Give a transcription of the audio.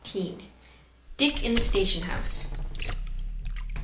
DICK IN THE STATION HOUSE.